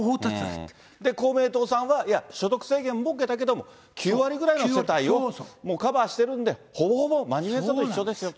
公明党さんは、いや、所得制限設けたけれども、９割ぐらいは対象だよと、もうカバーしてるんで、ほぼほぼマニフェストと一緒だよと。